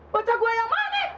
bocah gua yang mana